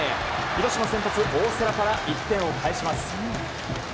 広島先発、大瀬良から１点を返します。